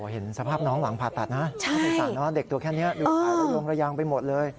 เห็นสภาพน้องหลังผ่าตัดนะเด็กตัวแค่นี้ลงระยังไปหมดเลย